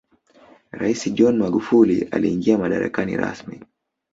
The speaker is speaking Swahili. raisi john magufuli aliingia madarakani rasmi